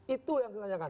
itu yang saya tanyakan